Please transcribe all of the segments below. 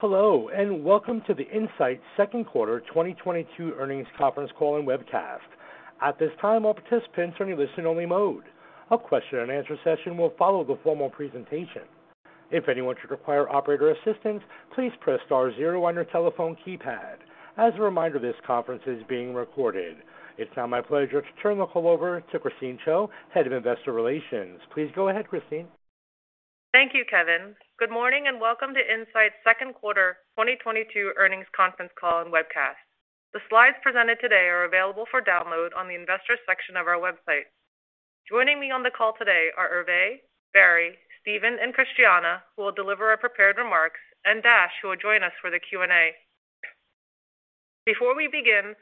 Hello, and welcome to the Incyte second quarter 2022 earnings conference call and webcast. At this time, all participants are in listen only mode. A question-and-answer session will follow the formal presentation. If anyone should require operator assistance, please press star zero on your telephone keypad. As a reminder, this conference is being recorded. It's now my pleasure to turn the call over to Christine Chiou, Head of Investor Relations. Please go ahead, Christine. Thank you, Kevin. Good morning and welcome to Incyte's second quarter 2022 earnings conference call and webcast. The slides presented today are available for download on the investors section of our website. Joining me on the call today are Hervé, Barry, Steven, and Christiana, who will deliver our prepared remarks, and Dash, who will join us for the Q&A. Before we begin,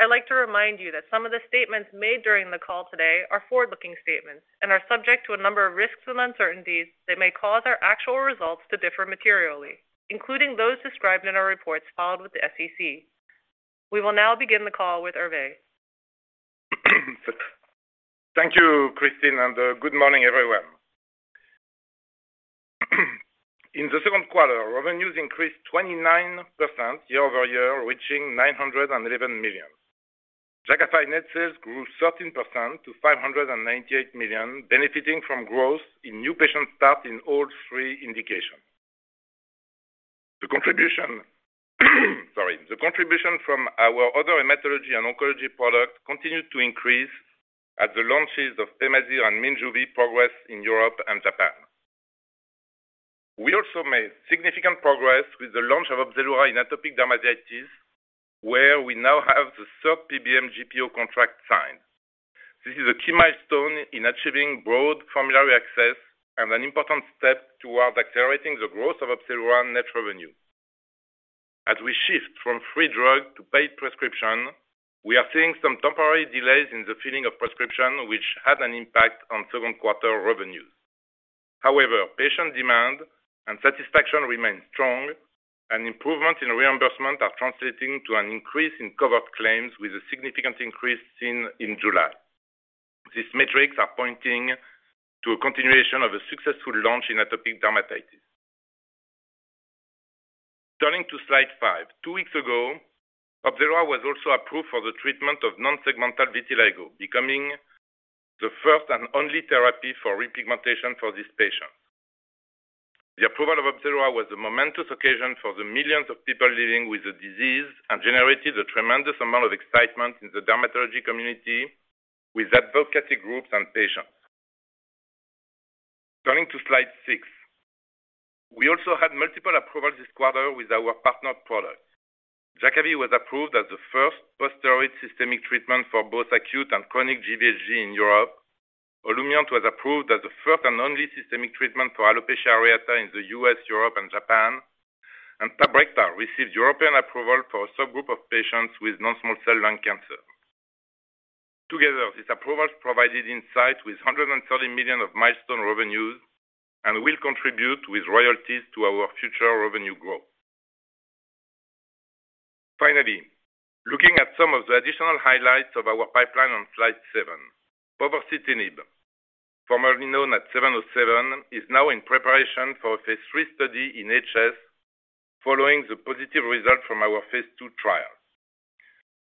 I'd like to remind you that some of the statements made during the call today are forward-looking statements and are subject to a number of risks and uncertainties that may cause our actual results to differ materially, including those described in our reports filed with the SEC. We will now begin the call with Hervé. Thank you, Christine, and good morning, everyone. In the second quarter, revenues increased 29% year-over-year, reaching $911 million. Jakafi net sales grew 13% to $598 million, benefiting from growth in new patient start in all three indications. The contribution from our other hematology and oncology product continued to increase as the launches of Pemazyre and Minjuvi progress in Europe and Japan. We also made significant progress with the launch of Opzelura in atopic dermatitis, where we now have the third PBM GPO contract signed. This is a key milestone in achieving broad formulary access and an important step towards accelerating the growth of Opzelura net revenue. As we shift from free drug to paid prescription, we are seeing some temporary delays in the filling of prescription, which had an impact on second-quarter revenues. However, patient demand and satisfaction remains strong, and improvements in reimbursement are translating to an increase in covered claims with a significant increase seen in July. These metrics are pointing to a continuation of a successful launch in atopic dermatitis. Turning to slide five. Two weeks ago, Opzelura was also approved for the treatment of non-segmental vitiligo, becoming the first and only therapy for repigmentation for these patients. The approval of Opzelura was a momentous occasion for the millions of people living with the disease and generated a tremendous amount of excitement in the dermatology community with advocacy groups and patients. Turning to slide six. We also had multiple approvals this quarter with our partner products. Jakavi was approved as the first post-steroid systemic treatment for both acute and chronic GVHD in Europe. Olumiant was approved as the first and only systemic treatment for alopecia areata in the U.S., Europe, and Japan. Tabrecta received European approval for a subgroup of patients with non-small cell lung cancer. Together, these approvals provided Incyte with $130 million of milestone revenues and will contribute with royalties to our future revenue growth. Finally, looking at some of the additional highlights of our pipeline on slide seven. Povorcitinib, formerly known as 707, is now in preparation for a phase III study in HS following the positive result from our phase II trials.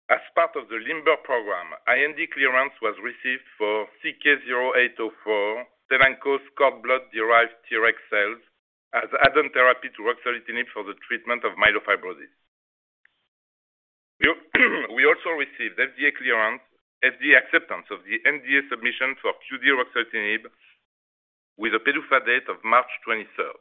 As part of the LIMBER program, IND clearance was received for CK-0804, Cellenkos's cord blood-derived T-reg cells as add-on therapy to ruxolitinib for the treatment of myelofibrosis. We also received FDA acceptance of the NDA submission for QD ruxolitinib with a PDUFA date of March twenty-third.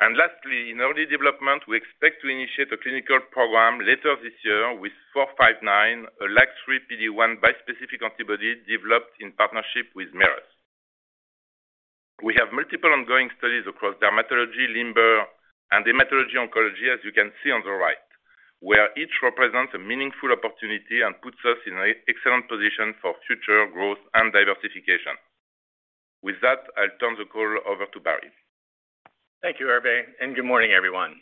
Lastly, in early development, we expect to initiate a clinical program later this year with INCA32459, a LAG-3/PD-1 bispecific antibody developed in partnership with MacroGenics. We have multiple ongoing studies across dermatology, LIMBER, and hematology oncology, as you can see on the right, where each represents a meaningful opportunity and puts us in an excellent position for future growth and diversification. With that, I'll turn the call over to Barry. Thank you, Hervé, and good morning, everyone.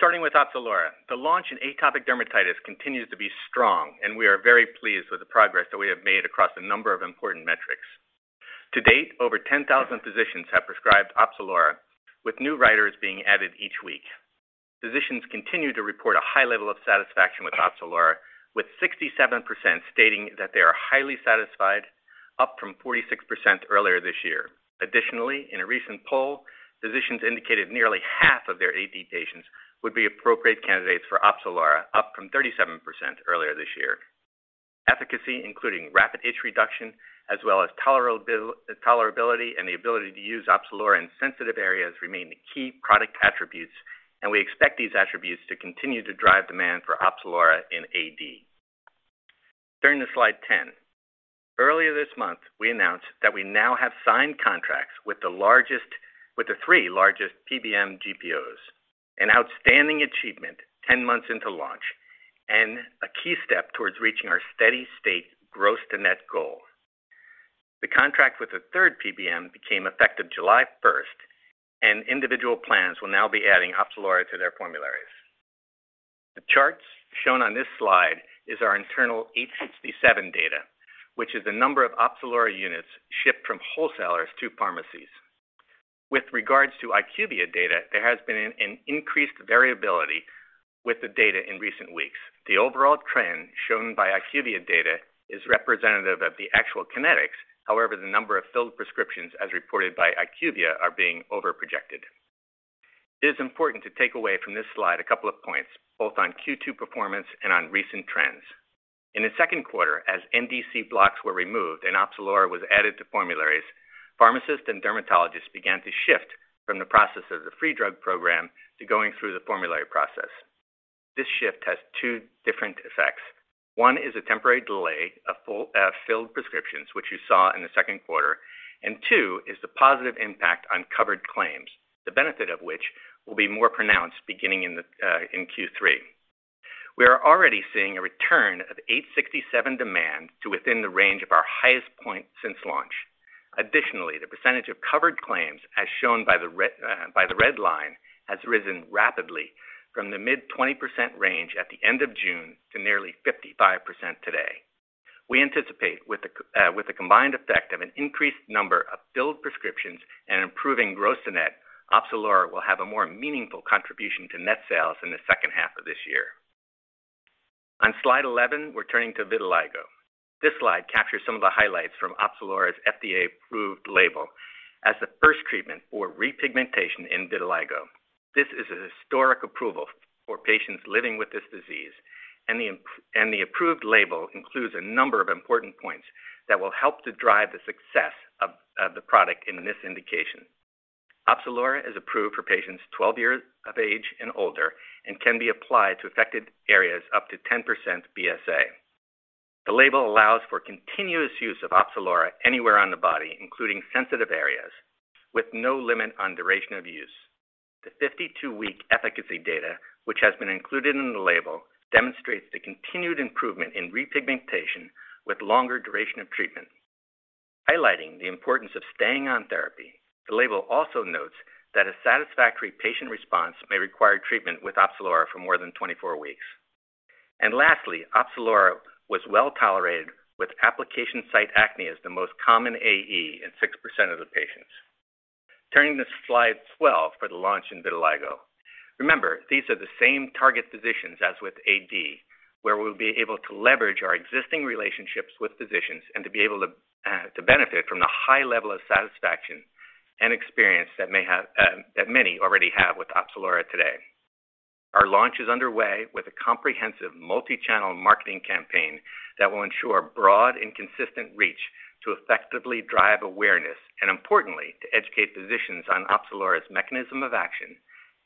Starting with Opzelura, the launch in atopic dermatitis continues to be strong, and we are very pleased with the progress that we have made across a number of important metrics. To date, over 10,000 physicians have prescribed Opzelura, with new writers being added each week. Physicians continue to report a high level of satisfaction with Opzelura, with 67% stating that they are highly satisfied, up from 46% earlier this year. Additionally, in a recent poll, physicians indicated nearly half of their AD patients would be appropriate candidates for Opzelura, up from 37% earlier this year. Efficacy, including rapid itch reduction, as well as tolerability, and the ability to use Opzelura in sensitive areas remain the key product attributes, and we expect these attributes to continue to drive demand for Opzelura in AD. Turning to slide 10. Earlier this month, we announced that we now have signed contracts with the three largest PBM GPOs, an outstanding achievement 10 months into launch and a key step towards reaching our steady state gross to net goal. The contract with the third PBM became effective July 1st, and individual plans will now be adding Opzelura to their formularies. The charts shown on this slide is our internal 867 data, which is the number of Opzelura units shipped from wholesalers to pharmacies. With regards to IQVIA data, there has been an increased variability with the data in recent weeks. The overall trend shown by IQVIA data is representative of the actual kinetics. However, the number of filled prescriptions as reported by IQVIA are being over-projected. It is important to take away from this slide a couple of points, both on Q2 performance and on recent trends. In the second quarter, as NDC blocks were removed and Opzelura was added to formularies, pharmacists and dermatologists began to shift from the process of the free drug program to going through the formulary process. This shift has two different effects. One is a temporary delay of fully filled prescriptions, which you saw in the second quarter, and two is the positive impact on covered claims, the benefit of which will be more pronounced beginning in Q3. We are already seeing a return of 867 data demand to within the range of our highest point since launch. Additionally, the percentage of covered claims, as shown by the red line, has risen rapidly from the mid-20% range at the end of June to nearly 55% today. We anticipate with the combined effect of an increased number of filled prescriptions and improving gross to net, Opzelura will have a more meaningful contribution to net sales in the second half of this year. On slide 11, we're turning to vitiligo. This slide captures some of the highlights from Opzelura's FDA-approved label as the first treatment for repigmentation in vitiligo. This is a historic approval for patients living with this disease, and the approved label includes a number of important points that will help to drive the success of the product in this indication. Opzelura is approved for patients 12 years of age and older and can be applied to affected areas up to 10% BSA. The label allows for continuous use of Opzelura anywhere on the body, including sensitive areas, with no limit on duration of use. The 52-week efficacy data, which has been included in the label, demonstrates the continued improvement in repigmentation with longer duration of treatment. Highlighting the importance of staying on therapy, the label also notes that a satisfactory patient response may require treatment with Opzelura for more than 24 weeks. Lastly, Opzelura was well tolerated with application site acne as the most common AE in 6% of the patients. Turning to slide 12 for the launch in vitiligo. Remember, these are the same target physicians as with AD, where we'll be able to leverage our existing relationships with physicians and to be able to benefit from the high level of satisfaction and experience that many already have with Opzelura today. Our launch is underway with a comprehensive multi-channel marketing campaign that will ensure broad and consistent reach to effectively drive awareness and importantly, to educate physicians on Opzelura's mechanism of action,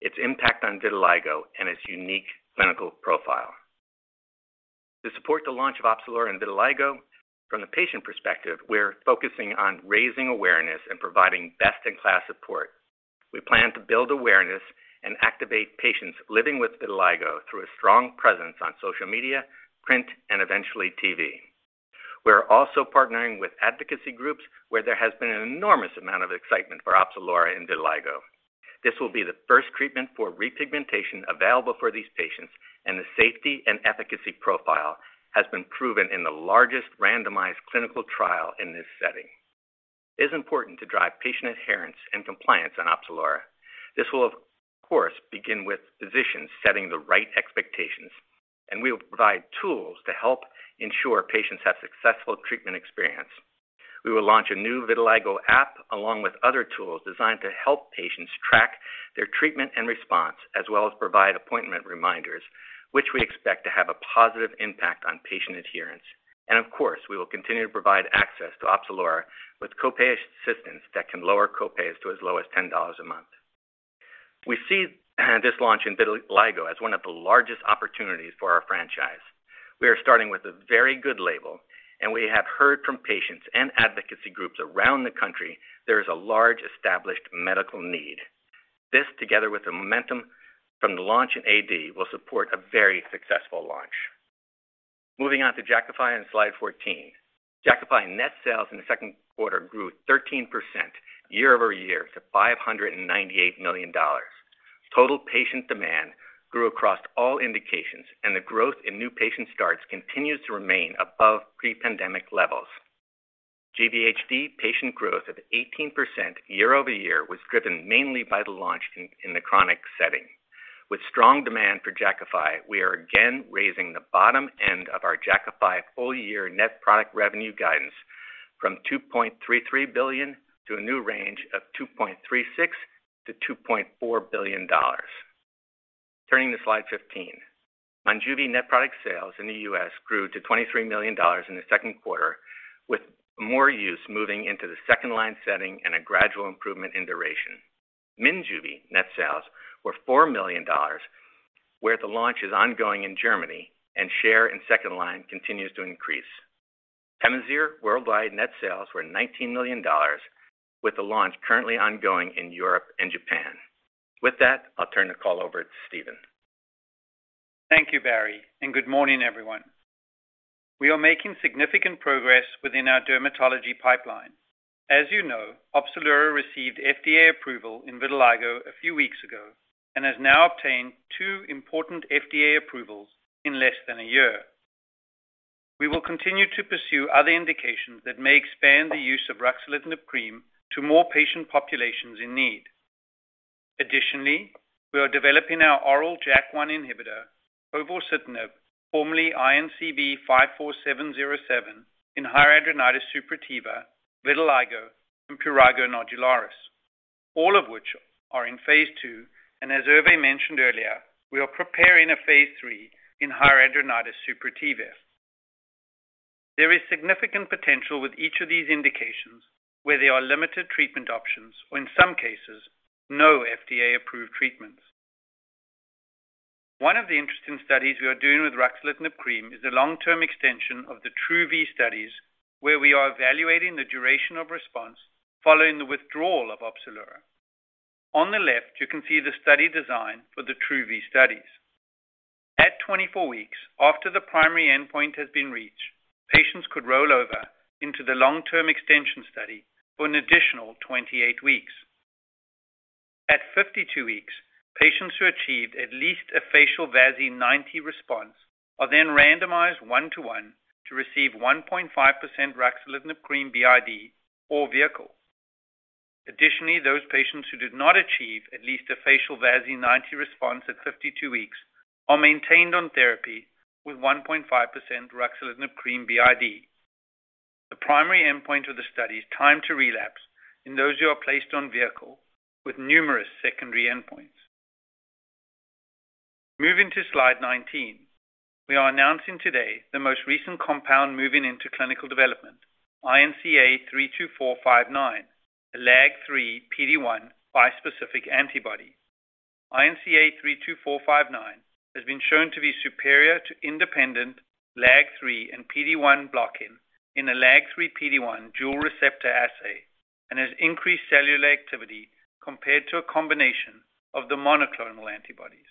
its impact on vitiligo, and its unique clinical profile. To support the launch of Opzelura in vitiligo, from the patient perspective, we're focusing on raising awareness and providing best in class support. We plan to build awareness and activate patients living with vitiligo through a strong presence on social media, print, and eventually TV. We're also partnering with advocacy groups where there has been an enormous amount of excitement for Opzelura in vitiligo. This will be the first treatment for repigmentation available for these patients, and the safety and efficacy profile has been proven in the largest randomized clinical trial in this setting. It is important to drive patient adherence and compliance in Opzelura. This will, of course, begin with physicians setting the right expectations, and we will provide tools to help ensure patients have successful treatment experience. We will launch a new vitiligo app along with other tools designed to help patients track their treatment and response, as well as provide appointment reminders, which we expect to have a positive impact on patient adherence. Of course, we will continue to provide access to Opzelura with co-pay assistance that can lower co-pays to as low as $10 a month. We see this launch in vitiligo as one of the largest opportunities for our franchise. We are starting with a very good label and we have heard from patients and advocacy groups around the country there is a large established medical need. This, together with the momentum from the launch in AD, will support a very successful launch. Moving on to Jakafi on slide 14. Jakafi net sales in the second quarter grew 13% year-over-year to $598 million. Total patient demand grew across all indications, and the growth in new patient starts continues to remain above pre-pandemic levels. GVHD patient growth of 18% year-over-year was driven mainly by the launch in the chronic setting. With strong demand for Jakafi, we are again raising the bottom end of our Jakafi full year net product revenue guidance from $2.33 billion to a new range of $2.36 billion-$2.4 billion. Turning to slide 15. Monjuvi net product sales in the U.S. grew to $23 million in the second quarter, with more use moving into the second line setting and a gradual improvement in duration. Minjuvi net sales were $4 million, where the launch is ongoing in Germany and share in second line continues to increase. Pemazyre worldwide net sales were $19 million, with the launch currently ongoing in Europe and Japan. With that, I'll turn the call over to Steven. Thank you, Barry, and good morning, everyone. We are making significant progress within our dermatology pipeline. As you know, Opzelura received FDA approval in vitiligo a few weeks ago and has now obtained two important FDA approvals in less than a year. We will continue to pursue other indications that may expand the use of ruxolitinib cream to more patient populations in need. Additionally, we are developing our oral JAK1 inhibitor, povorcitinib, formerly INCB54707, in hidradenitis suppurativa, vitiligo, and prurigo nodularis, all of which are in phase II. As Hervé mentioned earlier, we are preparing a phase III in hidradenitis suppurativa. There is significant potential with each of these indications where there are limited treatment options or, in some cases, no FDA-approved treatments. One of the interesting studies we are doing with ruxolitinib cream is a long-term extension of the TRU-V studies, where we are evaluating the duration of response following the withdrawal of Opzelura. On the left, you can see the study design for the TRU-V studies. At 24 weeks after the primary endpoint has been reached, patients could roll over into the long-term extension study for an additional 28 weeks. At 52 weeks, patients who achieved at least a facial VASI 90 response are then randomized 1:1 to receive 1.5% ruxolitinib cream BID or vehicle. Additionally, those patients who did not achieve at least a facial VASI 90 response at 52 weeks are maintained on therapy with 1.5% ruxolitinib cream BID. The primary endpoint of the study is time to relapse in those who are placed on vehicle with numerous secondary endpoints. Moving to slide 19. We are announcing today the most recent compound moving into clinical development, INCA32459, a LAG-3/PD-1 bispecific antibody. INCA32459 has been shown to be superior to independent LAG-3 and PD-1 blocking in a LAG-3/PD-1 dual receptor assay and has increased cellular activity compared to a combination of the monoclonal antibodies.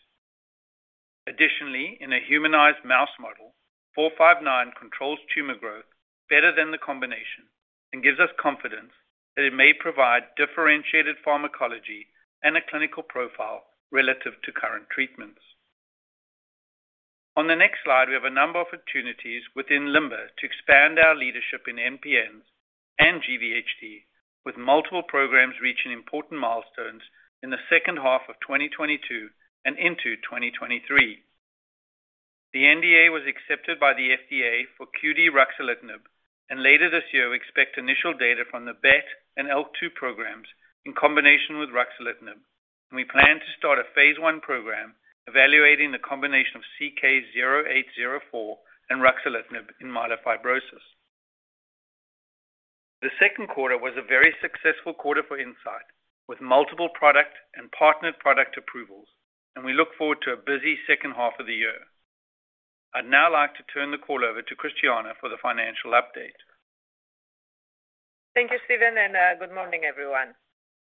Additionally, in a humanized mouse model, 459 controls tumor growth better than the combination and gives us confidence that it may provide differentiated pharmacology and a clinical profile relative to current treatments. On the next slide, we have a number of opportunities within LIMBER to expand our leadership in MPNs and GVHD, with multiple programs reaching important milestones in the second half of 2022 and into 2023. The NDA was accepted by the FDA for QD ruxolitinib, and later this year we expect initial data from the BET and IL-2 programs in combination with ruxolitinib. We plan to start a phase I program evaluating the combination of CK-0804 and ruxolitinib in myelofibrosis. The second quarter was a very successful quarter for Incyte, with multiple product and partnered product approvals, and we look forward to a busy second half of the year. I'd now like to turn the call over to Christiana for the financial update. Thank you, Steven, and, good morning, everyone.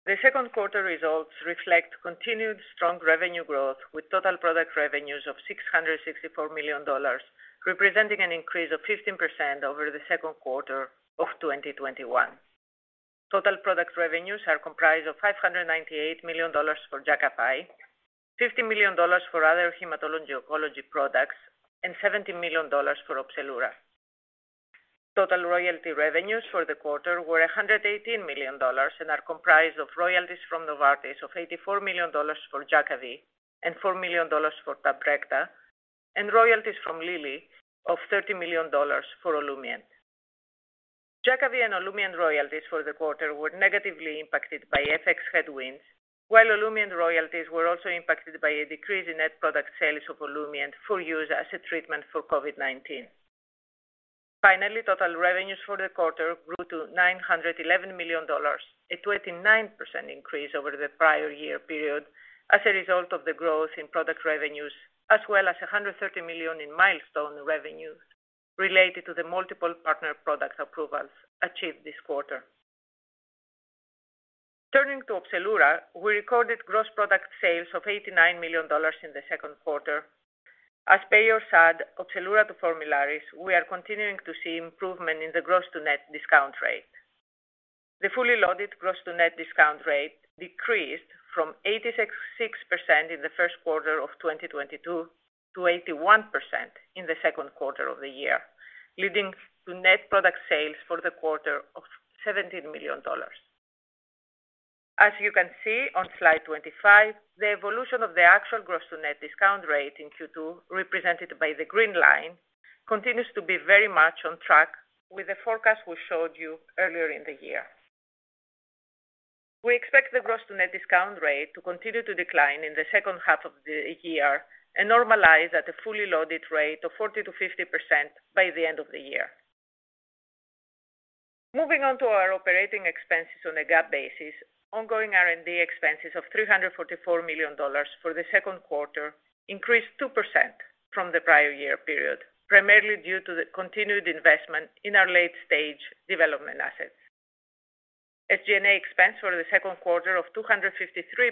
The second quarter results reflect continued strong revenue growth, with total product revenues of $664 million, representing an increase of 15% over the second quarter of 2021. Total product revenues are comprised of $598 million for Jakafi, $50 million for other hematology/oncology products, and $70 million for Opzelura. Total royalty revenues for the quarter were $118 million and are comprised of royalties from Novartis of $84 million for Jakavi and $4 million for Tabrecta, and royalties from Lilly of $30 million for Olumiant. Jakavi and Olumiant royalties for the quarter were negatively impacted by FX headwinds, while Olumiant royalties were also impacted by a decrease in net product sales of Olumiant for use as a treatment for COVID-19. Finally, total revenues for the quarter grew to $911 million, a 29% increase over the prior year period as a result of the growth in product revenues, as well as $130 million in milestone revenues related to the multiple partner product approvals achieved this quarter. Turning to Opzelura, we recorded gross product sales of $89 million in the second quarter. As payers add Opzelura to formularies, we are continuing to see improvement in the gross-to-net discount rate. The fully loaded gross-to-net discount rate decreased from 86% in the first quarter of 2022 to 81% in the second quarter of the year, leading to net product sales for the quarter of $17 million. As you can see on slide 25, the evolution of the actual gross to net discount rate in Q2, represented by the green line, continues to be very much on track with the forecast we showed you earlier in the year. We expect the gross-to-net discount rate to continue to decline in the second half of the year and normalize at a fully loaded rate of 40%-50% by the end of the year. Moving on to our operating expenses on a GAAP basis. Ongoing R&D expenses of $344 million for the second quarter increased 2% from the prior year period, primarily due to the continued investment in our late-stage development assets. SG&A expense for the second quarter of $253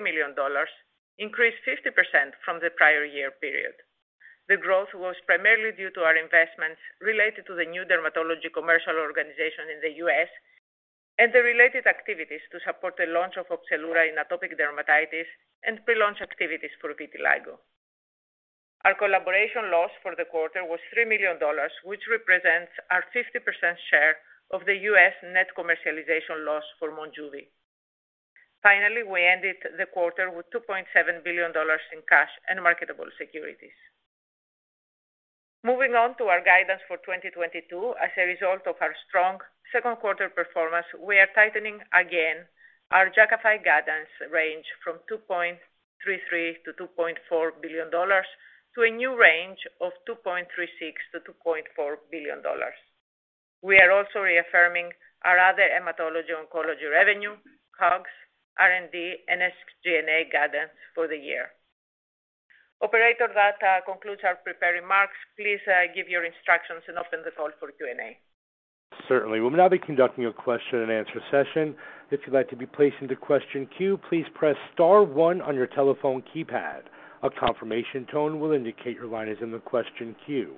million increased 50% from the prior year period. The growth was primarily due to our investments related to the new dermatology commercial organization in the U.S. and the related activities to support the launch of Opzelura in atopic dermatitis and pre-launch activities for vitiligo. Our collaboration loss for the quarter was $3 million, which represents our 50% share of the U.S. net commercialization loss for Monjuvi. Finally, we ended the quarter with $2.7 billion in cash and marketable securities. Moving on to our guidance for 2022. As a result of our strong second quarter performance, we are tightening again our Jakafi guidance range from $2.33-$2.4 billion to a new range of $2.36-$2.4 billion. We are also reaffirming our other hematology/oncology revenue, COGS, R&D, and SG&A guidance for the year. Operator, that concludes our prepared remarks. Please, give your instructions and open the call for Q&A. Certainly. We'll now be conducting a question-and-answer session. If you'd like to be placed into question queue, please press star one on your telephone keypad. A confirmation tone will indicate your line is in the question queue.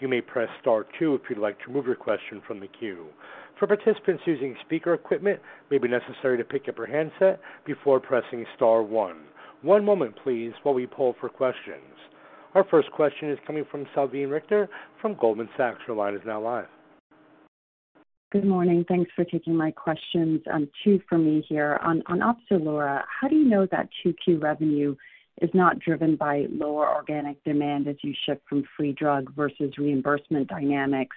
You may press star two if you'd like to remove your question from the queue. For participants using speaker equipment, it may be necessary to pick up your handset before pressing star one. One moment, please, while we poll for questions. Our first question is coming from Salveen Richter from Goldman Sachs. Your line is now live. Good morning. Thanks for taking my questions. Two for me here. On Opzelura, how do you know that 2Q revenue is not driven by lower organic demand as you shift from free drug versus reimbursement dynamics?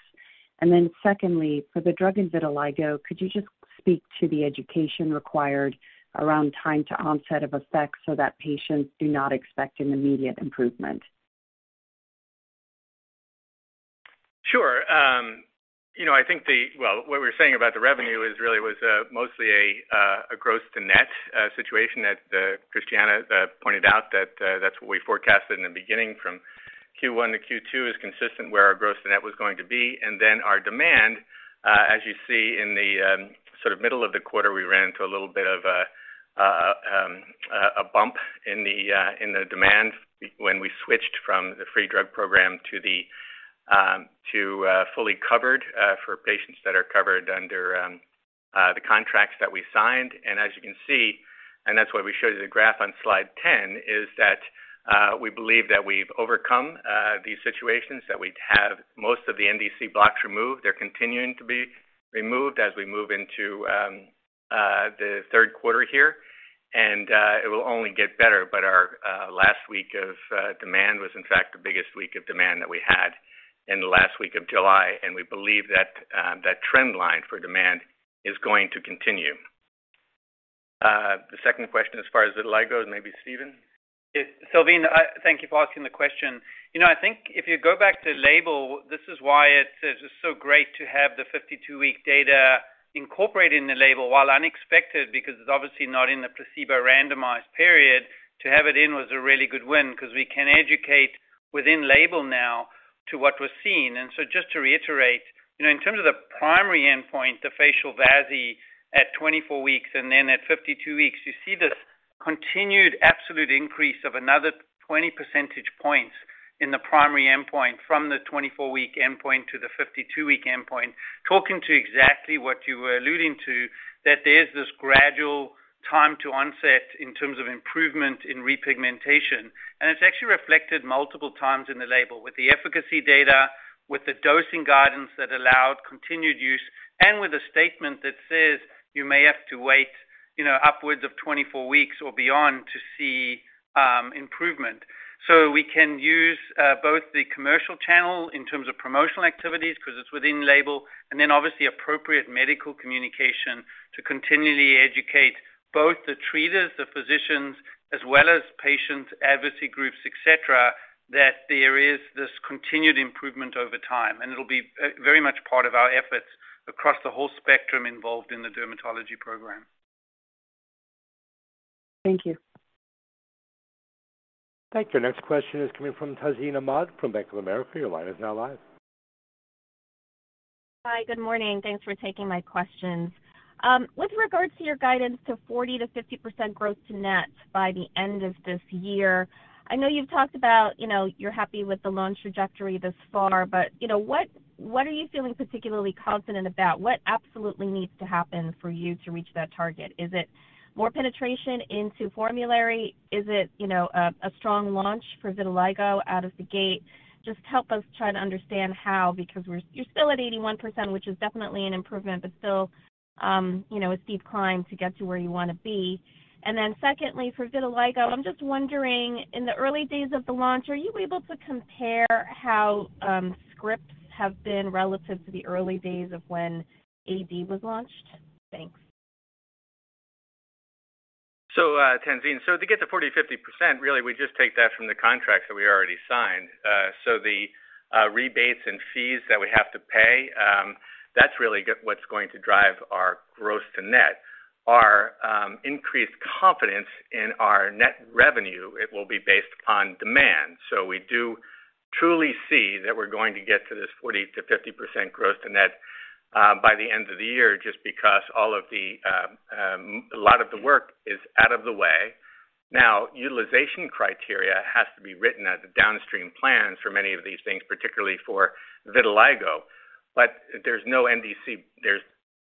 Secondly, for the drug in vitiligo, could you just speak to the education required around time to onset of effects so that patients do not expect an immediate improvement? Sure. You know, I think. Well, what we were saying about the revenue is really was mostly a gross to net situation that Christiana pointed out that that's what we forecasted in the beginning from Q1 to Q2 is consistent where our gross to net was going to be. Then our demand as you see in the sort of middle of the quarter, we ran into a little bit of a bump in the demand when we switched from the free drug program to fully covered for patients that are covered under the contracts that we signed. As you can see, and that's why we showed you the graph on slide 10, is that we believe that we've overcome these situations, that we have most of the NDC blocks removed. They're continuing to be removed as we move into the third quarter here, and it will only get better. Our last week of demand was in fact the biggest week of demand that we had in the last week of July. We believe that that trend line for demand is going to continue. The second question as far as vitiligo, maybe Steven? Yes. Salveen, thank you for asking the question. You know, I think if you go back to label, this is why it's so great to have the 52-week data incorporated in the label while unexpected, because it's obviously not in the placebo randomized period. To have it in was a really good win because we can educate within label now to what was seen. Just to reiterate, you know, in terms of the primary endpoint, the facial VASI at 24 weeks and then at 52 weeks, you see this continued absolute increase of another 20 percentage points in the primary endpoint from the 24-week endpoint to the 52-week endpoint, talking to exactly what you were alluding to, that there's this gradual time to onset in terms of improvement in repigmentation. It's actually reflected multiple times in the label with the efficacy data, with the dosing guidance that allowed continued use, and with a statement that says you may have to wait, you know, upwards of 24 weeks or beyond to see improvement. We can use both the commercial channel in terms of promotional activities because it's within label and then obviously appropriate medical communication to continually educate both the treaters, the physicians, as well as patients, advocacy groups, et cetera, that there is this continued improvement over time. It'll be very much part of our efforts across the whole spectrum involved in the dermatology program. Thank you. Thank you. Next question is coming from Tazeen Ahmad from Bank of America. Your line is now live. Hi. Good morning. Thanks for taking my questions. With regards to your guidance to 40%-50% growth to net by the end of this year, I know you've talked about, you know, you're happy with the launch trajectory thus far, but, you know, what are you feeling particularly confident about? What absolutely needs to happen for you to reach that target? Is it more penetration into formulary? Is it, you know, a strong launch for vitiligo out of the gate? Just help us try to understand how, because you're still at 81%, which is definitely an improvement but still, you know, a steep climb to get to where you want to be. For vitiligo, I'm just wondering, in the early days of the launch, are you able to compare how scripts have been relative to the early days of when AD was launched? Thanks. Tazeen, to get to 40%-50%, really we just take that from the contracts that we already signed. The rebates and fees that we have to pay, that's really what's going to drive our gross to net. Our increased confidence in our net revenue, it will be based on demand. We do truly see that we're going to get to this 40%-50% gross to net by the end of the year, just because a lot of the work is out of the way. Utilization criteria has to be written by the downstream plans for many of these things, particularly for vitiligo. There's no NDC. There's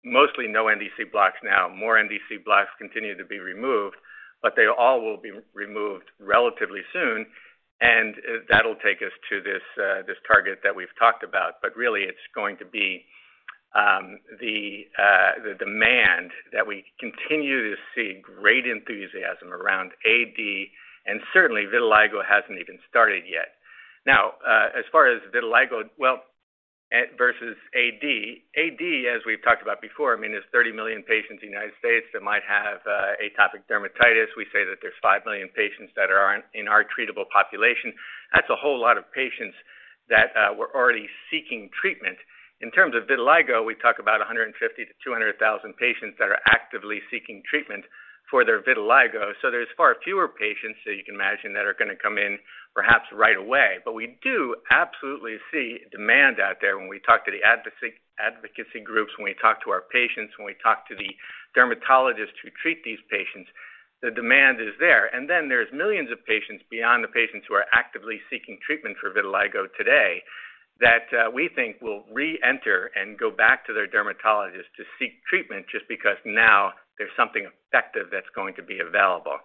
mostly no NDC blocks now. More NDC blocks continue to be removed, but they all will be removed relatively soon, and that'll take us to this target that we've talked about. Really, it's going to be the demand that we continue to see great enthusiasm around AD, and certainly vitiligo hasn't even started yet. Now, as far as vitiligo, well, versus AD. AD, as we've talked about before, I mean, there's 30 million patients in the United States that might have atopic dermatitis. We say that there's 5 million patients that are in our treatable population. That's a whole lot of patients that were already seeking treatment. In terms of vitiligo, we talk about 150,000-200,000 patients that are actively seeking treatment for their vitiligo. There's far fewer patients that you can imagine that are gonna come in, perhaps right away. We do absolutely see demand out there when we talk to the advocacy groups, when we talk to our patients, when we talk to the dermatologists who treat these patients, the demand is there. Then there's millions of patients beyond the patients who are actively seeking treatment for vitiligo today that we think will reenter and go back to their dermatologist to seek treatment just because now there's something effective that's going to be available.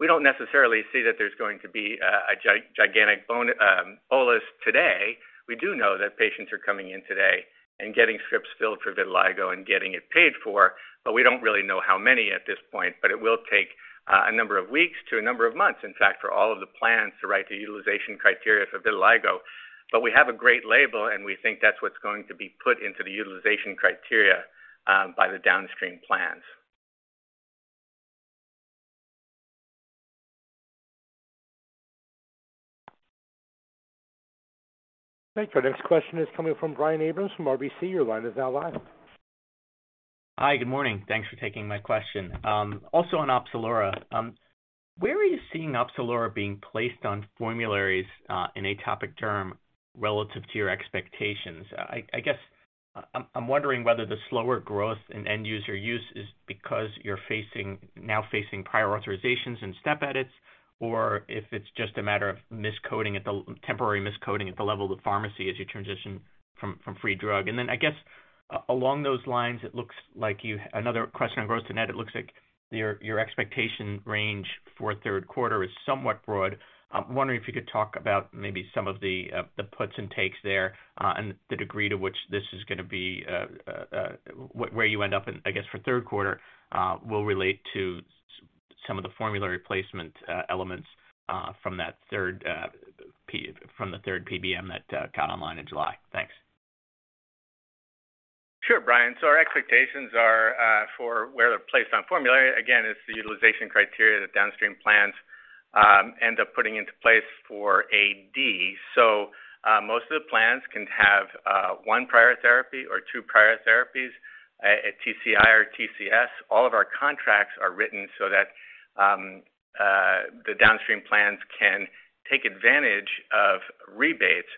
We don't necessarily see that there's going to be a gigantic bolus today. We do know that patients are coming in today and getting scripts filled for vitiligo and getting it paid for, but we don't really know how many at this point. It will take a number of weeks to a number of months, in fact, for all of the plans to write the utilization criteria for vitiligo. We have a great label, and we think that's what's going to be put into the utilization criteria by the downstream plans. Thanks. Our next question is coming from Brian Abrahams from RBC. Your line is now live. Hi, good morning. Thanks for taking my question. Also on Opzelura. Where are you seeing Opzelura being placed on formularies in atopic derm relative to your expectations? I guess I'm wondering whether the slower growth in end user use is because you're now facing prior authorizations and step edits, or if it's just a matter of temporary miscoding at the level of the pharmacy as you transition from free drug. I guess along those lines, another question on gross to net. It looks like your expectation range for third quarter is somewhat broad. I'm wondering if you could talk about maybe some of the puts and takes there, and the degree to which this is gonna be, where you end up in, I guess, for third quarter, will relate to some of the formulary placement, elements, from the third PBM that got online in July. Thanks. Sure, Brian. Our expectations are for where they're placed on formulary. Again, it's the utilization criteria that downstream plans end up putting into place for AD. Most of the plans can have one prior therapy or two prior therapies at TCI or TCS. All of our contracts are written so that the downstream plans can take advantage of rebates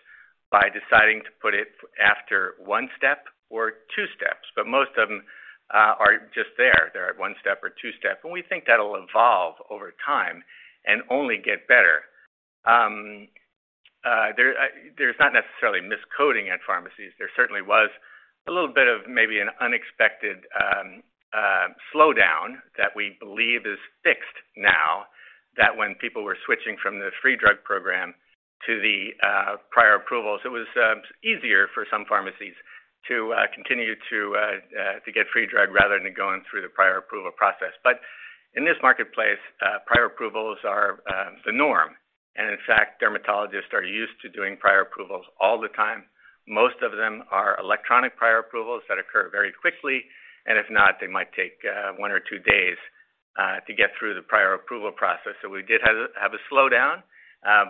by deciding to put it after one step or two steps. Most of them are just there. They're at one step or two steps, and we think that'll evolve over time and only get better. There's not necessarily miscoding at pharmacies. There certainly was a little bit of maybe an unexpected slowdown that we believe is fixed now, that when people were switching from the free drug program to the prior approvals, it was easier for some pharmacies to continue to get free drug rather than going through the prior approval process. In this marketplace, prior approvals are the norm. In fact, dermatologists are used to doing prior approvals all the time. Most of them are electronic prior approvals that occur very quickly, and if not, they might take one or two days to get through the prior approval process. We did have a slowdown,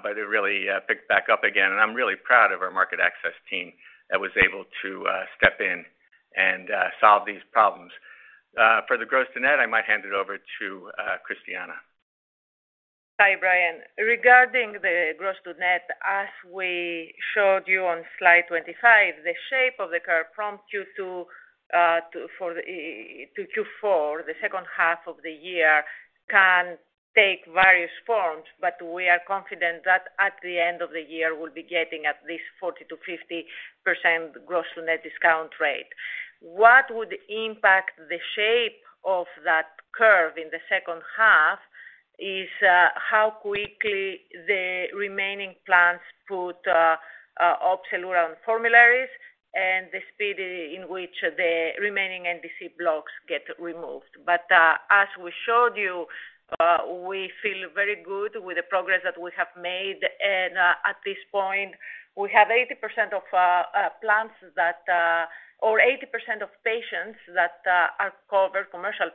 but it really picked back up again. I'm really proud of our market access team that was able to step in and solve these problems. For the gross to net, I might hand it over to Christiana. Hi, Brian. Regarding the gross to net, as we showed you on slide 25, the shape of the curve prompts you to Q4, the second half of the year can take various forms, but we are confident that at the end of the year, we'll be getting at least 40%-50% gross to net discount rate. What would impact the shape of that curve in the second half is how quickly the remaining plans put Opzelura on formularies and the speed in which the remaining NDC blocks get removed. As we showed you, we feel very good with the progress that we have made. At this point, we have 80% of patients that are covered, commercial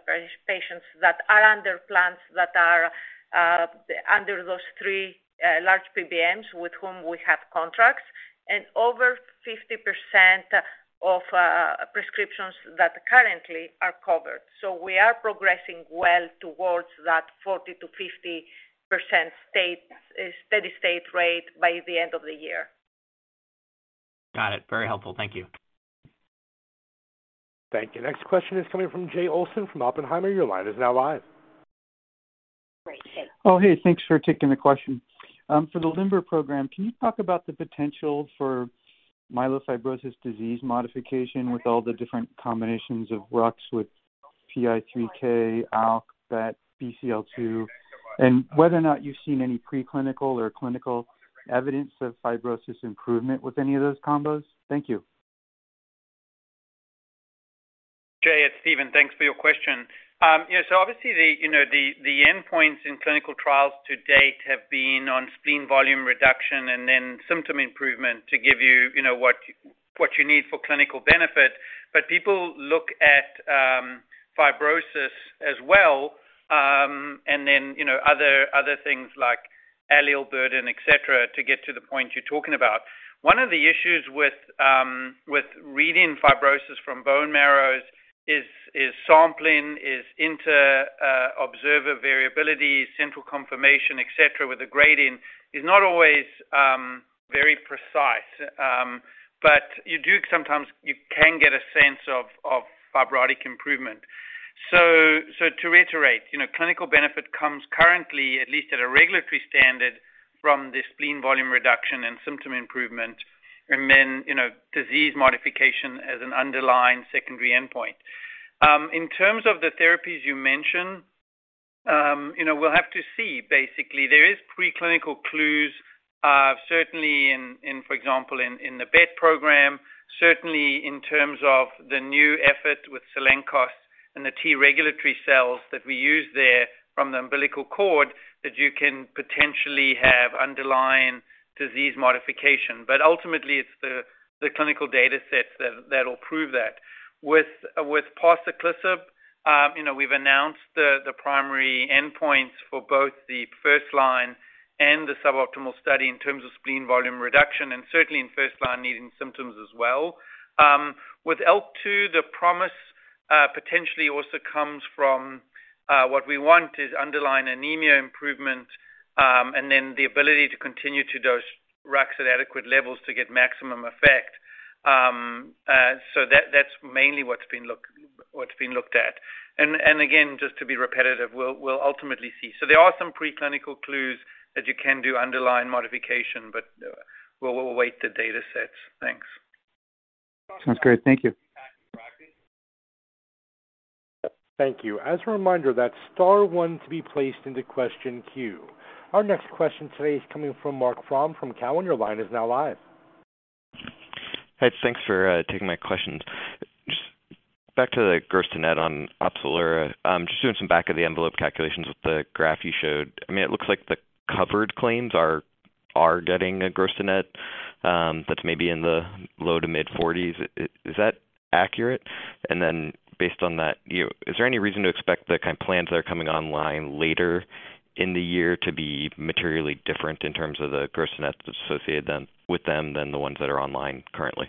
patients that are under plans that are under those three large PBMs with whom we have contracts. Over 50% of prescriptions that currently are covered. We are progressing well towards that 40%-50% state, steady state rate by the end of the year. Got it. Very helpful. Thank you. Thank you. Next question is coming from Jay Olson from Oppenheimer. Your line is now live. Oh, hey, thanks for taking the question. For the LIMBER program, can you talk about the potential for myelofibrosis disease modification with all the different combinations of RUX with PI3K, ALK2, BET, BCL-2, and whether or not you've seen any preclinical or clinical evidence of fibrosis improvement with any of those combos? Thank you. Jay, it's Steven. Thanks for your question. Yeah, obviously, you know, the endpoints in clinical trials to date have been on spleen volume reduction and then symptom improvement to give you know, what you need for clinical benefit. People look at fibrosis as well, and then, you know, other things like allele burden, et cetera, to get to the point you're talking about. One of the issues with reading fibrosis from bone marrows is sampling, inter-observer variability, central confirmation, et cetera, with the grading is not always very precise. You can get a sense of fibrotic improvement. To reiterate, you know, clinical benefit comes currently, at least at a regulatory standard, from the spleen volume reduction and symptom improvement, and then, you know, disease modification as an underlying secondary endpoint. In terms of the therapies you mentioned, you know, we'll have to see, basically. There is preclinical clues, certainly in, for example, in the BET program, certainly in terms of the new effort with Cellenkos and the T-regulatory cells that we use there from the umbilical cord, that you can potentially have underlying disease modification. But ultimately, it's the clinical data sets that'll prove that. With Parsaclisib, you know, we've announced the primary endpoints for both the first line and the suboptimal study in terms of spleen volume reduction, and certainly in first line anemia symptoms as well. With IL-2, the promise potentially also comes from what we want is underlying anemia improvement, and then the ability to continue to dose RUX at adequate levels to get maximum effect. So that's mainly what's been looked at. Again, just to be repetitive, we'll ultimately see. There are some preclinical clues that you can do underlying modification, but we'll wait the data sets. Thanks. Sounds great. Thank you. Thank you. As a reminder, that's star one to be placed into question queue. Our next question today is coming from Marc Frahm from Cowen. Your line is now live. Hey, thanks for taking my questions. Just back to the gross to net on Opzelura. Just doing some back-of-the-envelope calculations with the graph you showed. I mean, it looks like the covered claims are getting a gross to net that's maybe in the low-to-mid 40s%. Is that accurate? Based on that, you know, is there any reason to expect the kinds of plans that are coming online later in the year to be materially different in terms of the gross to net that's associated with them than the ones that are online currently?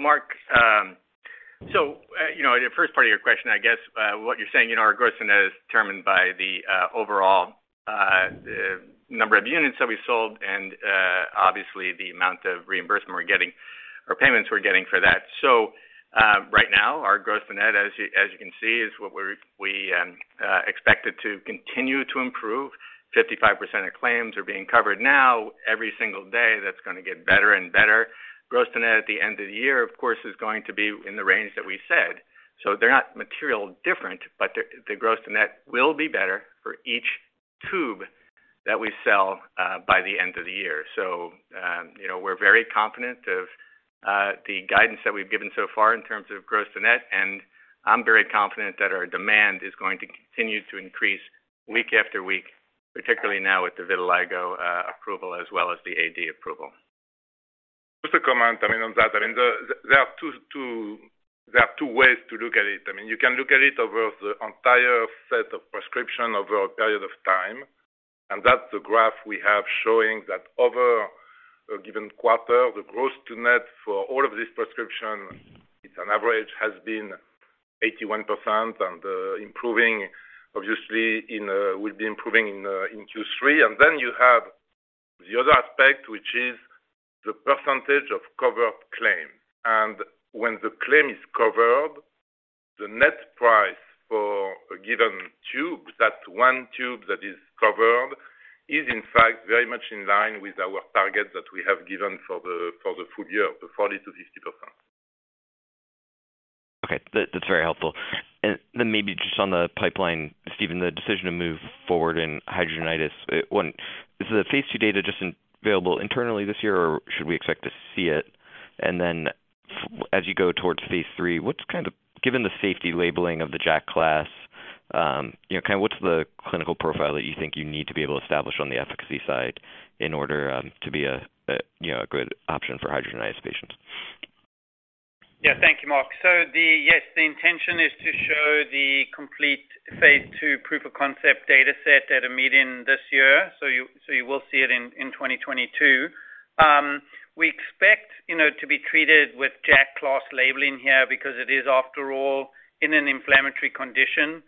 Marc, you know, the first part of your question, I guess, what you're saying, you know, our gross-to-net is determined by the overall number of units that we sold and obviously the amount of reimbursement we're getting or payments we're getting for that. Right now, our gross-to-net, as you can see, is what we're expect it to continue to improve. 55% of claims are being covered now. Every single day that's gonna get better and better. Gross-to-net at the end of the year, of course, is going to be in the range that we said. They're not materially different, but the gross-to-net will be better for each tube that we sell by the end of the year. You know, we're very confident of the guidance that we've given so far in terms of gross to net, and I'm very confident that our demand is going to continue to increase week after week, particularly now with the vitiligo approval as well as the AD approval. Just a comment, I mean, on that. I mean, there are two ways to look at it. I mean, you can look at it over the entire set of prescription over a period of time, and that's the graph we have showing that over a given quarter, the gross to net for all of this prescription, it's an average, has been 81% and improving obviously, will be improving in Q3. You have the other aspect, which is the percentage of covered claim. When the claim is covered, the net price for a given tube, that one tube that is covered, is in fact very much in line with our target that we have given for the full year of 40%-60%. Okay. That's very helpful. Then maybe just on the pipeline, Steven, the decision to move forward in hidradenitis. One, is the phase II data just available internally this year, or should we expect to see it? Then as you go towards phase III, what's kind of given the safety labeling of the JAK class, you know, kind of what's the clinical profile that you think you need to be able to establish on the efficacy side in order to be a, you know, a good option for hidradenitis patients? Yeah. Thank you, Marc. Yes, the intention is to show the complete phase II proof of concept data set at a meeting this year. You will see it in 2022. We expect, you know, to be treated with JAK class labeling here because it is after all in an inflammatory condition.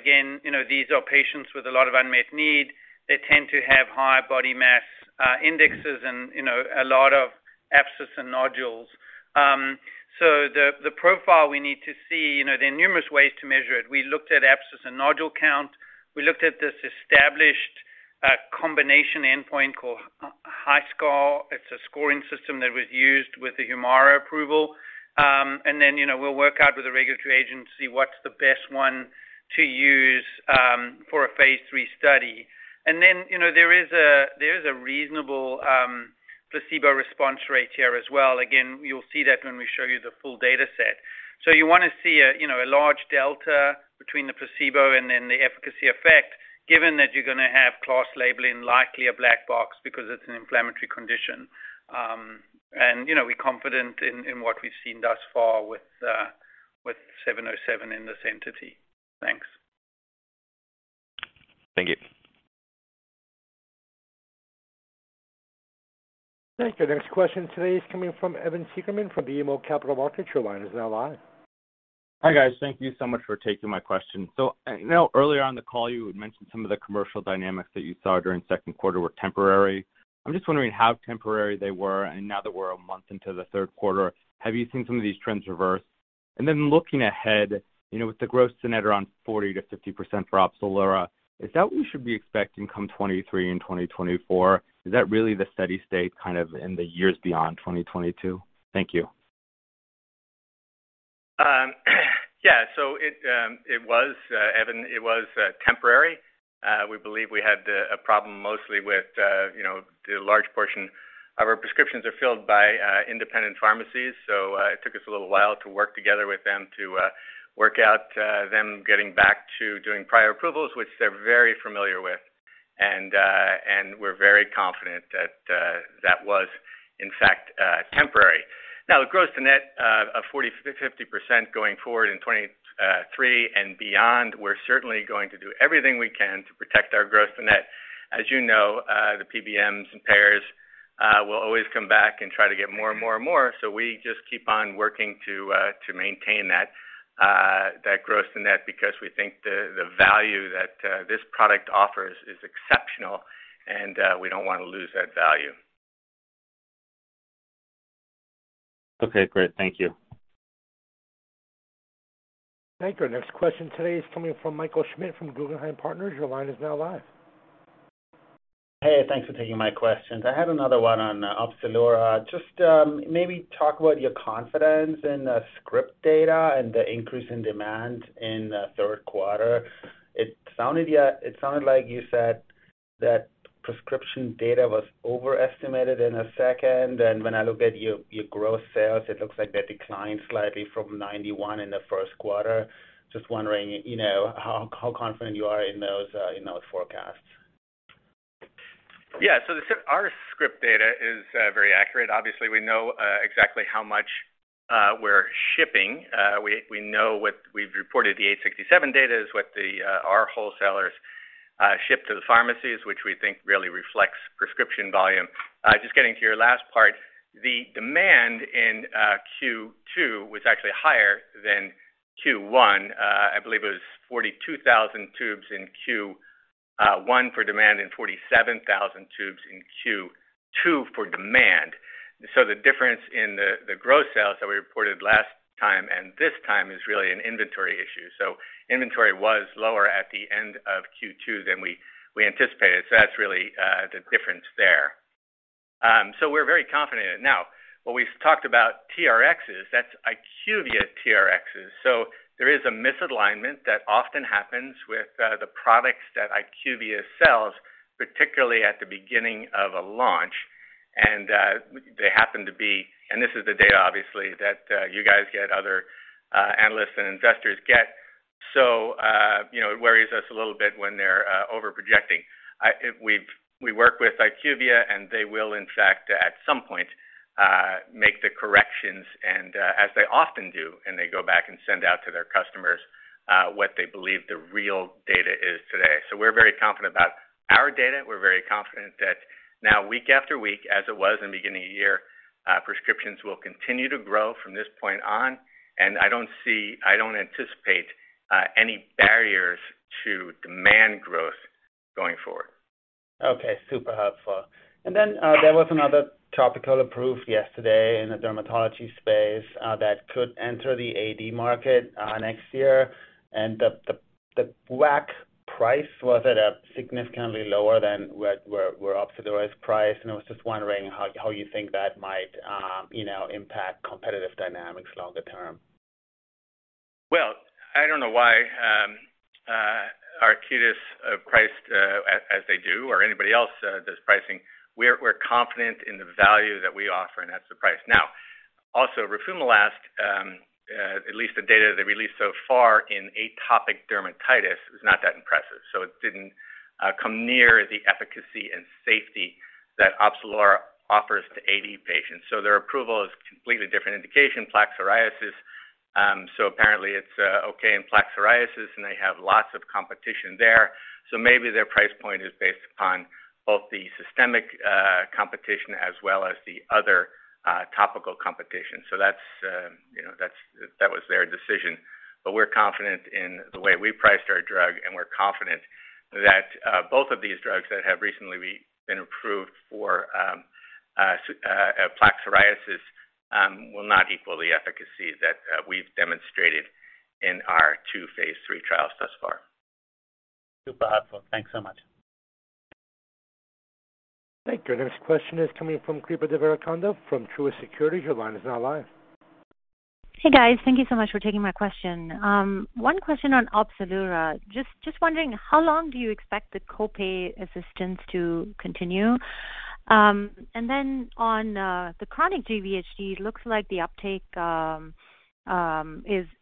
Again, you know, these are patients with a lot of unmet need. They tend to have high body mass indexes and, you know, a lot of abscess and nodules. The profile we need to see, you know, there are numerous ways to measure it. We looked at abscess and nodule count. We looked at this established combination endpoint called HiSCR. It's a scoring system that was used with the Humira approval. you know, we'll work out with the regulatory agency what's the best one to use for a phase III study. you know, there is a reasonable placebo response rate here as well. Again, you'll see that when we show you the full data set. you wanna see a, you know, a large delta between the placebo and then the efficacy effect, given that you're gonna have class labeling, likely a black box because it's an inflammatory condition. you know, we're confident in what we've seen thus far with 707 in this entity. Thanks. Thank you. Thank you. Next question today is coming from Evan Seigerman from BMO Capital Markets. Your line is now live. Hi, guys. Thank you so much for taking my question. You know, earlier on the call you had mentioned some of the commercial dynamics that you saw during second quarter were temporary. I'm just wondering how temporary they were, and now that we're a month into the third quarter, have you seen some of these trends reverse? Looking ahead, you know, with the gross to net around 40%-50% for Opzelura, is that we should be expecting come 2023 and 2024? Is that really the steady state kind of in the years beyond 2022? Thank you. Yeah. It was temporary. We believe we had a problem mostly with, you know, the large portion of our prescriptions are filled by independent pharmacies. It took us a little while to work together with them to work out them getting back to doing prior approvals, which they're very familiar with. We're very confident that that was in fact temporary. Now, the gross-to-net of 40%-50% going forward in 2023 and beyond, we're certainly going to do everything we can to protect our gross and net. As you know, the PBMs and payers will always come back and try to get more and more and more. We just keep on working to maintain that gross to net because we think the value that this product offers is exceptional and we don't wanna lose that value. Okay, great. Thank you. Thank you. Our next question today is coming from Michael Schmidt from Guggenheim Partners. Your line is now live. Hey, thanks for taking my questions. I had another one on Opzelura. Just maybe talk about your confidence in the script data and the increase in demand in the third quarter. It sounded like you said that prescription data was overestimated in the second. When I look at your gross sales, it looks like that declined slightly from 91 in the first quarter. Just wondering, you know, how confident you are in those forecasts. Our script data is very accurate. Obviously, we know exactly how much we're shipping. We know what we've reported. The 867 data is what our wholesalers ship to the pharmacies, which we think really reflects prescription volume. Just getting to your last part, the demand in Q2 was actually higher than Q1. I believe it was 42,000 tubes in Q1 for demand and 47,000 tubes in Q2 for demand. The difference in the growth sales that we reported last time and this time is really an inventory issue. Inventory was lower at the end of Q2 than we anticipated. That's really the difference there. We're very confident in it. Now, when we've talked about TRx, that's IQVIA TRx. There is a misalignment that often happens with the products that IQVIA sells, particularly at the beginning of a launch. This is the data obviously that you guys get, other analysts and investors get. You know, it worries us a little bit when they're over-projecting. We work with IQVIA, and they will, in fact, at some point, make the corrections and, as they often do, and they go back and send out to their customers what they believe the real data is today. We're very confident about our data. We're very confident that now week after week, as it was in the beginning of the year, prescriptions will continue to grow from this point on. I don't anticipate any barriers to demand growth going forward. Okay. Super helpful. Then there was another topical approved yesterday in the dermatology space that could enter the AD market next year. The WAC price was at a significantly lower than what were Opzelura's price. I was just wondering how you think that might impact competitive dynamics longer term. Well, I don't know why Arcutis is priced as they do or anybody else does pricing. We're confident in the value that we offer, and that's the price. Now, also roflumilast. At least the data they released so far in atopic dermatitis is not that impressive. It didn't come near the efficacy and safety that Opzelura offers to AD patients. Their approval is completely different indication, plaque psoriasis. Apparently it's okay in plaque psoriasis, and they have lots of competition there. Maybe their price point is based upon both the systemic competition as well as the other topical competition. That's you know, that was their decision. We're confident in the way we priced our drug, and we're confident that both of these drugs that have recently been approved for plaque psoriasis will not equal the efficacy that we've demonstrated in our two phase III trials thus far. Super helpful. Thanks so much. Thank you. Our next question is coming from Kripa Devarakonda from Truist Securities. Your line is now live. Hey, guys. Thank you so much for taking my question. One question on Opzelura. Just wondering how long do you expect the co-pay assistance to continue? On the chronic GVHD, looks like the uptake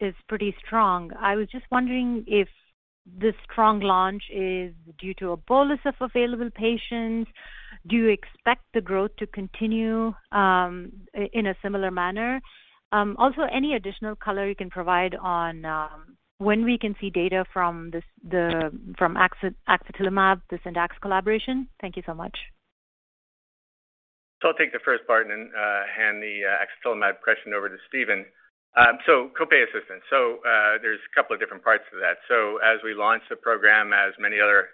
is pretty strong. I was just wondering if this strong launch is due to a bolus of available patients. Do you expect the growth to continue in a similar manner? Also, any additional color you can provide on when we can see data from axatilimab, the Syndax collaboration. Thank you so much. I'll take the first part and then hand the axatilimab question over to Steven. Copay assistance. There's a couple of different parts to that. As we launch the program, as many other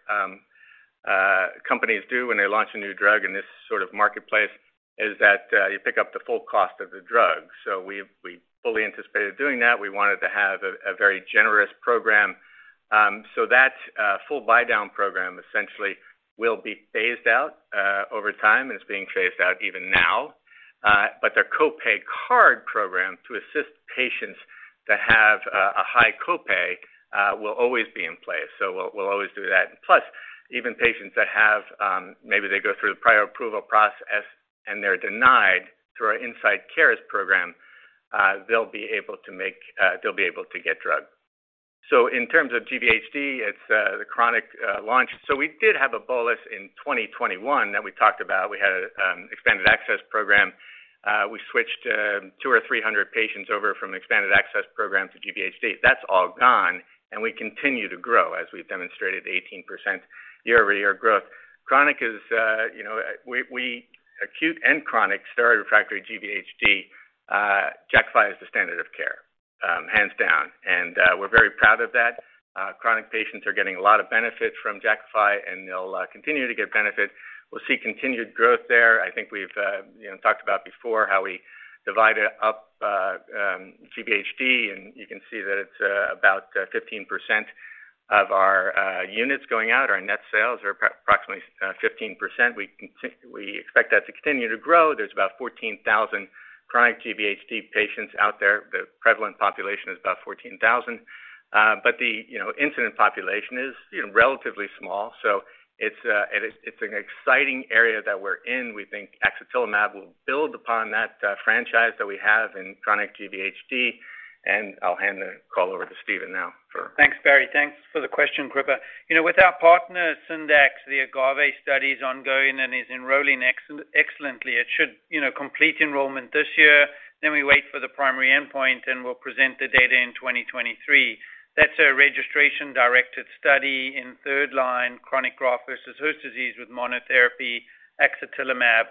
companies do when they launch a new drug in this sort of marketplace, is that you pick up the full cost of the drug. We fully anticipated doing that. We wanted to have a very generous program. That full buy-down program essentially will be phased out over time, and it's being phased out even now. But the copay card program to assist patients that have a high copay will always be in place. We'll always do that. Plus, even patients that maybe go through the prior approval process and they're denied through our IncyteCARES program, they'll be able to get drug. In terms of GVHD, it's the chronic launch. We did have a bolus in 2021 that we talked about. We had an expanded access program. We switched 200 or 300 patients over from expanded access program to GVHD. That's all gone, and we continue to grow as we've demonstrated 18% year-over-year growth. Chronic is, you know, acute and chronic steroid refractory GVHD. Jakafi is the standard of care, hands down, and we're very proud of that. Chronic patients are getting a lot of benefit from Jakafi, and they'll continue to get benefit. We'll see continued growth there. I think we've you know talked about before how we divided up GVHD, and you can see that it's about 15% of our units going out. Our net sales are approximately 15%. We expect that to continue to grow. There's about 14,000 chronic GVHD patients out there. The prevalent population is about 14,000. The incident population is you know relatively small. It's an exciting area that we're in. We think axatilimab will build upon that franchise that we have in chronic GVHD. I'll hand the call over to Steven now for- Thanks, Barry. Thanks for the question, Kripa. You know, with our partner, Syndax, the AGAVE study is ongoing and is enrolling excellently. It should, you know, complete enrollment this year. Then we wait for the primary endpoint, and we'll present the data in 2023. That's a registration-directed study in third line chronic graft-versus-host disease with monotherapy axatilimab.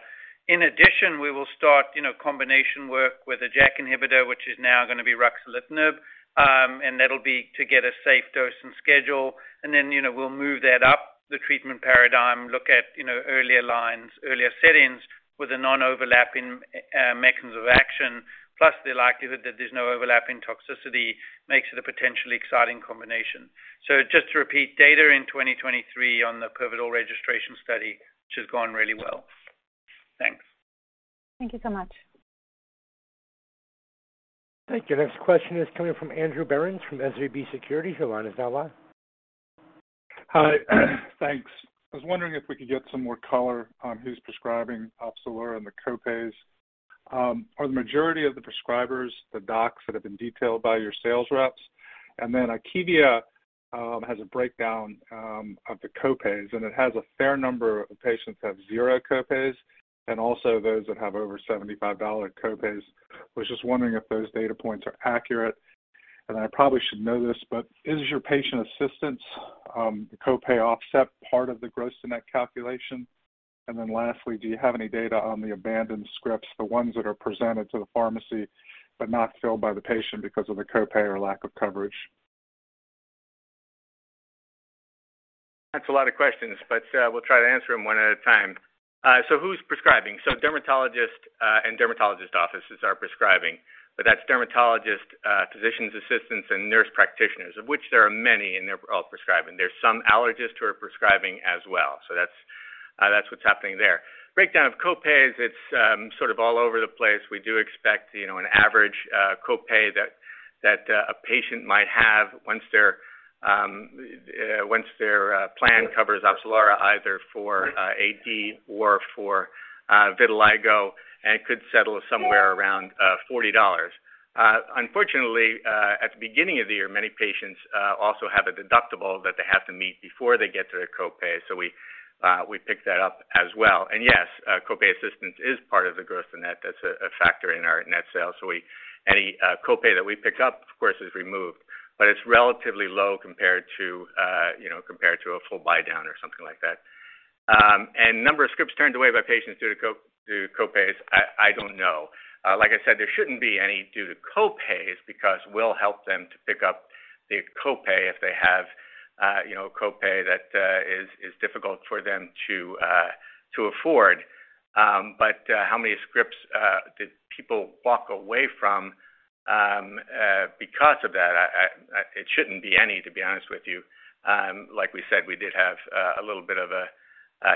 In addition, we will start, you know, combination work with a JAK inhibitor, which is now gonna be ruxolitinib, and that'll be to get a safe dose and schedule. We'll move that up the treatment paradigm, look at, you know, earlier lines, earlier settings with a non-overlapping mechanism of action. Plus, the likelihood that there's no overlap in toxicity makes it a potentially exciting combination. Just to repeat, data in 2023 on the pivotal registration study, which has gone really well. Thanks. Thank you so much. Thank you. Next question is coming from Andrew Berens from SVB Securities. Your line is now live. Hi. Thanks. I was wondering if we could get some more color on who's prescribing Opzelura and the co-pays. Are the majority of the prescribers the docs that have been detailed by your sales reps? Akebia has a breakdown of the co-pays, and it has a fair number of patients that have 0 co-pays and also those that have over $75 co-pays. I was just wondering if those data points are accurate. I probably should know this, but is your patient assistance the co-pay offset part of the gross to net calculation? Lastly, do you have any data on the abandoned scripts, the ones that are presented to the pharmacy but not filled by the patient because of the co-pay or lack of coverage? That's a lot of questions, but we'll try to answer them one at a time. Who's prescribing? Dermatologists and dermatologist offices are prescribing, but that's dermatologists, physician assistants and nurse practitioners, of which there are many, and they're all prescribing. There's some allergists who are prescribing as well. That's what's happening there. Breakdown of copays, it's sort of all over the place. We do expect, you know, an average copay that a patient might have once their plan covers Opzelura either for AD or for vitiligo, and it could settle somewhere around $40. Unfortunately, at the beginning of the year, many patients also have a deductible that they have to meet before they get to their copay. We pick that up as well. Yes, copay assistance is part of the gross to net. That's a factor in our net sales. Any copay that we pick up, of course, is removed, but it's relatively low compared to, you know, compared to a full buydown or something like that. Number of scripts turned away by patients due to copays, I don't know. Like I said, there shouldn't be any due to copays because we'll help them to pick up the copay if they have, you know, a copay that is difficult for them to afford. But how many scripts did people walk away from because of that? It shouldn't be any, to be honest with you. Like we said, we did have a little bit of a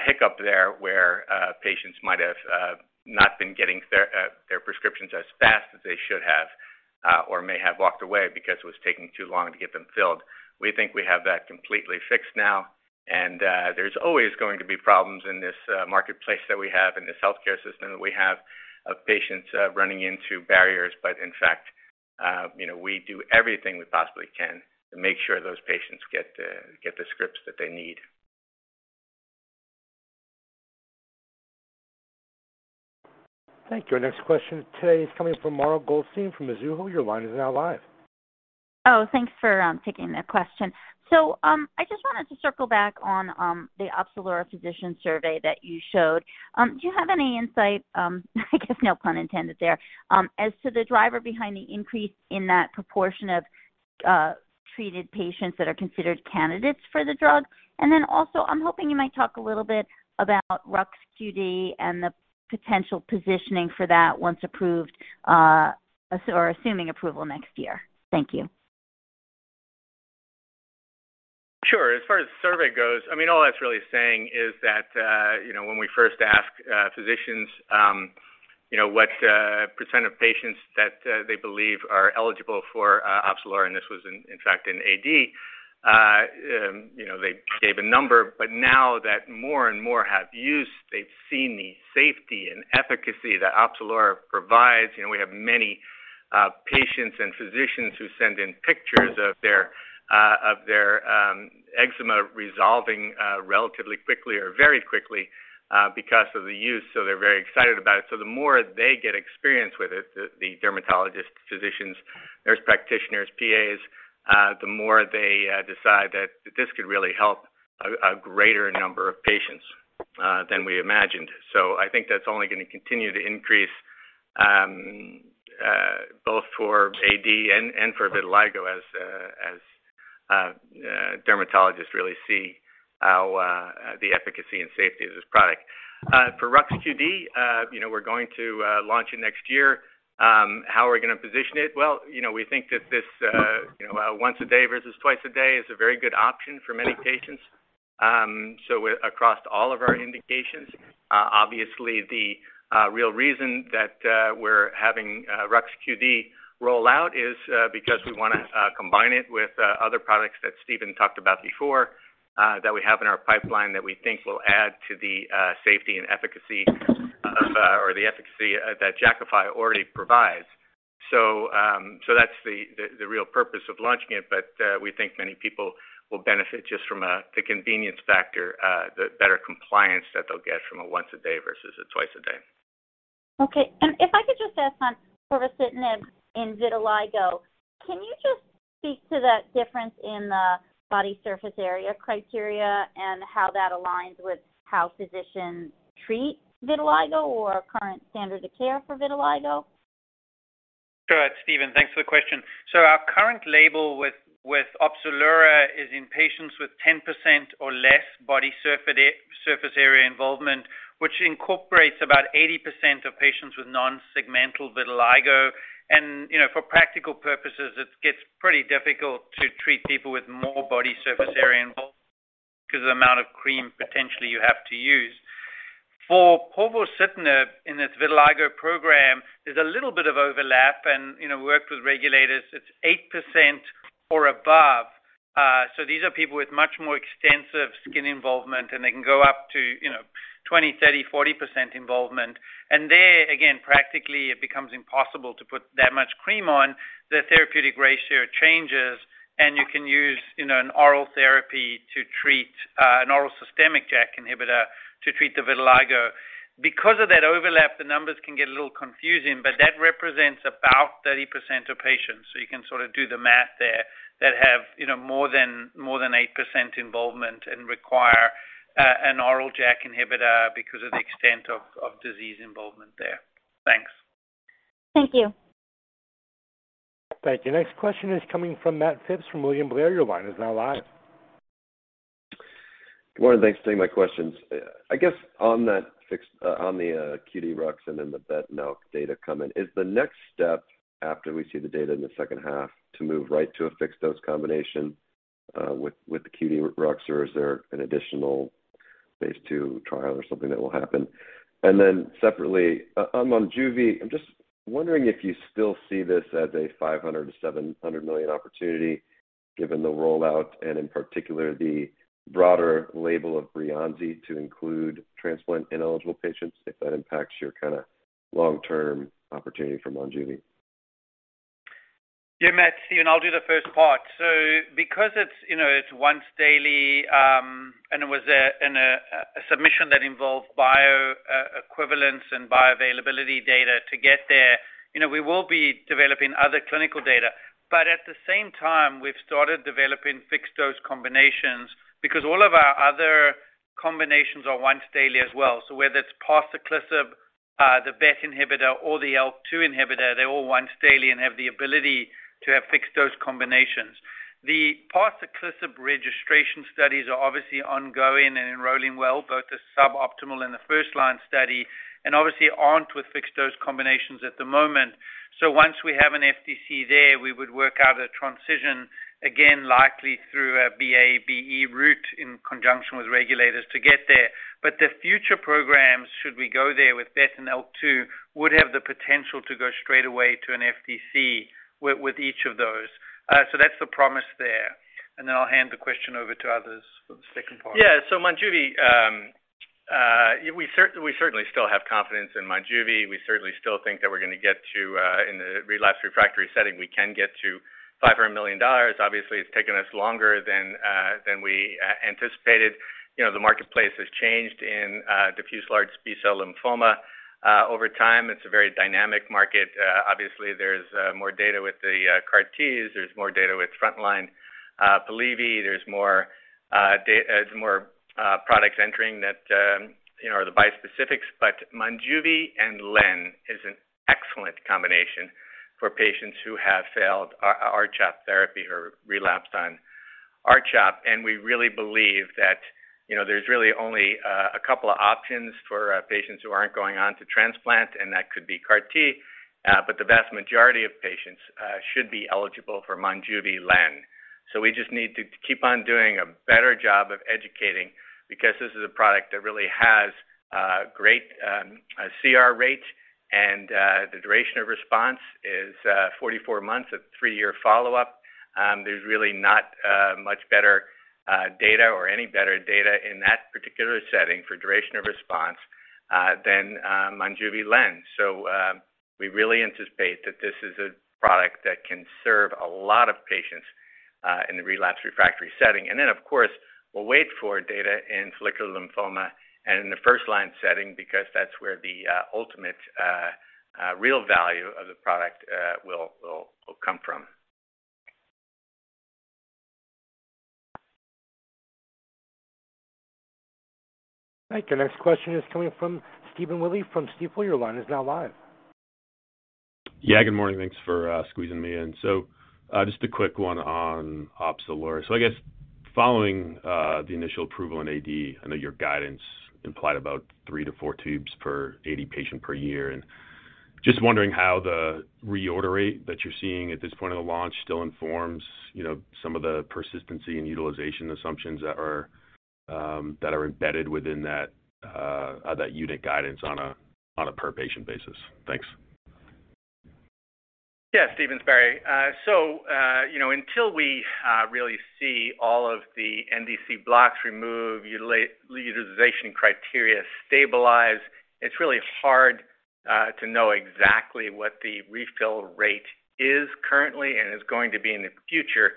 hiccup there, where patients might have not been getting their prescriptions as fast as they should have, or may have walked away because it was taking too long to get them filled. We think we have that completely fixed now, and there's always going to be problems in this marketplace that we have and this healthcare system that we have of patients running into barriers. In fact, you know, we do everything we possibly can to make sure those patients get the scripts that they need. Thank you. Our next question today is coming from Mara Goldstein from Mizuho. Your line is now live. Oh, thanks for taking the question. I just wanted to circle back on the Opzelura physician survey that you showed. Do you have any insight, I guess no pun intended there, as to the driver behind the increase in that proportion of treated patients that are considered candidates for the drug? Also, I'm hoping you might talk a little bit about ruxolitinib XR and the potential positioning for that once approved, or assuming approval next year. Thank you. Sure. As far as survey goes, I mean, all that's really saying is that, you know, when we first asked, physicians, you know, what percent of patients that they believe are eligible for Opzelura, and this was in fact in AD, you know, they gave a number. Now that more and more have used, they've seen the safety and efficacy that Opzelura provides. You know, we have many patients and physicians who send in pictures of their eczema resolving relatively quickly or very quickly because of the use. They're very excited about it. The more they get experience with it, the dermatologists, physicians, nurse practitioners, PAs, the more they decide that this could really help a greater number of patients than we imagined. I think that's only gonna continue to increase both for AD and for vitiligo as dermatologists really see how the efficacy and safety of this product. For ruxolitinib XR, you know, we're going to launch it next year. How are we gonna position it? Well, you know, we think that this, you know, once a day versus twice a day is a very good option for many patients. Across all of our indications, obviously the real reason that we're having ruxolitinib XR roll out is because we wanna combine it with other products that Steven talked about before that we have in our pipeline that we think will add to the safety and efficacy of or the efficacy that Jakafi already provides. That's the real purpose of launching it, but we think many people will benefit just from the convenience factor, the better compliance that they'll get from a once a day versus a twice a day. Okay. If I could just ask on povorcitinib in vitiligo, can you just speak to that difference in the body surface area criteria and how that aligns with how physicians treat vitiligo or current standard of care for vitiligo? Sure. It's Steven. Thanks for the question. So our current label with Opzelura is in patients with 10% or less body surface area involvement, which incorporates about 80% of patients with nonsegmental vitiligo. You know, for practical purposes, it gets pretty difficult to treat people with more body surface area involvement because the amount of cream potentially you have to use. For povorcitinib in this vitiligo program, there's a little bit of overlap and, you know, worked with regulators, it's 8% or above. So these are people with much more extensive skin involvement, and they can go up to, you know, 20, 30, 40% involvement. There, again, practically it becomes impossible to put that much cream on. The therapeutic ratio changes, and you can use, you know, an oral therapy to treat an oral systemic JAK inhibitor to treat the vitiligo. Because of that overlap, the numbers can get a little confusing, but that represents about 30% of patients. You can sort of do the math there that have, you know, more than 8% involvement and require an oral JAK inhibitor because of the extent of disease involvement there. Thanks. Thank you. Thank you. Next question is coming from Matt Phipps from William Blair. Your line is now live. Good morning. Thanks for taking my questions. I guess on the QD Rux and then the navitoclax data coming, is the next step after we see the data in the second half to move right to a fixed-dose combination with the QD Rux? Is there an additional Phase II trial or something that will happen. Separately, on Monjuvi, I'm just wondering if you still see this as a $500 million-$700 million opportunity given the rollout and in particular the broader label of Breyanzi to include transplant-ineligible patients, if that impacts your kinda long-term opportunity for Monjuvi? Yeah, Matt, Steven, I'll do the first part. Because it's, you know, it's once daily, and it was a submission that involved bioequivalence and bioavailability data to get there. You know, we will be developing other clinical data, but at the same time, we've started developing fixed-dose combinations because all of our other combinations are once daily as well. Whether it's Parsaclisib, the BET inhibitor or the ALK2 inhibitor, they're all once daily and have the ability to have fixed-dose combinations. The Parsaclisib registration studies are obviously ongoing and enrolling well, both the suboptimal and the first line study, and obviously aren't with fixed-dose combinations at the moment. Once we have an FDC there, we would work out a transition, again, likely through a BA/BE route in conjunction with regulators to get there. The future programs, should we go there with BET and ALK2, would have the potential to go straight away to an FDC with each of those. That's the promise there. I'll hand the question over to others for the second part. Yeah. Monjuvi, yeah, we certainly still have confidence in Monjuvi. We certainly still think that we're gonna get to, in the relapsed refractory setting, we can get to $500 million. Obviously, it's taken us longer than we anticipated. You know, the marketplace has changed in diffuse large B-cell lymphoma. Over time, it's a very dynamic market. Obviously, there's more data with the CAR-Ts, there's more data with frontline Polivy, there's more products entering that, you know, are the bispecifics. But Monjuvi and lenalidomide is an excellent combination for patients who have failed R-CHOP therapy or relapsed on R-CHOP. We really believe that, you know, there's really only a couple of options for patients who aren't going on to transplant, and that could be CAR-T, but the vast majority of patients should be eligible for Monjuvi, lenalidomide. We just need to keep on doing a better job of educating because this is a product that really has great CR rate, and the duration of response is 44 months at three-year follow-up. There's really not much better data or any better data in that particular setting for duration of response than Monjuvi, lenalidomide. We really anticipate that this is a product that can serve a lot of patients in the relapsed refractory setting. Of course, we'll wait for data in follicular lymphoma and in the first-line setting because that's where the ultimate real value of the product will come from. Thank you. Next question is coming from Stephen Willey from Stifel. Your line is now live. Yeah, good morning. Thanks for squeezing me in. So just a quick one on Opzelura. I guess following the initial approval in AD, I know your guidance implied about three-four tubes per AD patient per year. Just wondering how the reorder rate that you're seeing at this point of the launch still informs, you know, some of the persistency and utilization assumptions that are embedded within that unit guidance on a per patient basis. Thanks. Yeah, Stephen, it's Barry. You know, until we really see all of the NDC blocks remove, utilization criteria stabilize, it's really hard to know exactly what the refill rate is currently and is going to be in the future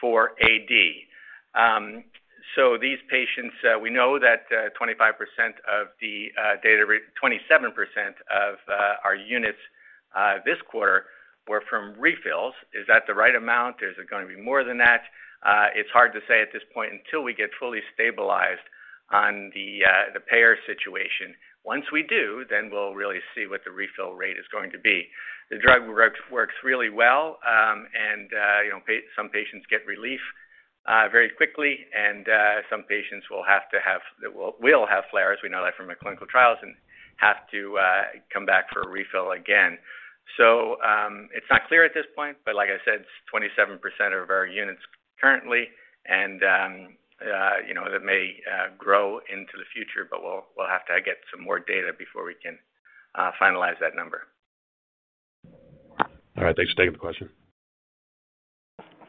for AD. These patients, we know that 27% of our units this quarter were from refills. Is that the right amount? Is it gonna be more than that? It's hard to say at this point until we get fully stabilized on the payer situation. Once we do, then we'll really see what the refill rate is going to be. The drug works really well, and you know, some patients get relief very quickly, and some patients will have flares. We know that from the clinical trials and have to come back for a refill again. It's not clear at this point, but like I said, it's 27% of our units currently and you know, that may grow into the future, but we'll have to get some more data before we can finalize that number. All right. Thanks for taking the question.